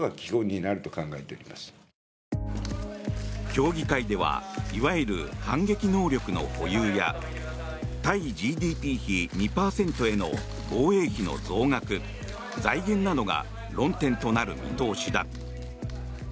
協議会ではいわゆる反撃能力の保有や対ＧＤＰ比２％への防衛費の増額、財源などが論点となる見通しだ。